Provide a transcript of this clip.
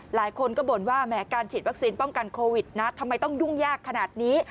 หลายคนก็บ่นว่าแหมการฉีดวัคซีนป้องกันโควิดนะทำไมต้องยุ่งยากขนาดนี้